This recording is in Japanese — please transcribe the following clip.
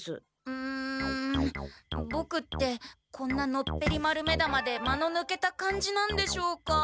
うんボクってこんなのっぺりまるめだまで間のぬけた感じなんでしょうか？